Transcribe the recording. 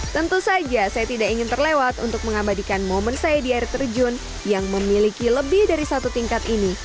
tentu saja saya tidak ingin terlewat untuk mengabadikan momen saya di air terjun yang memiliki lebih dari satu tingkat ini